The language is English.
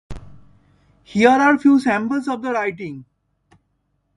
Here are a few samples of the writing.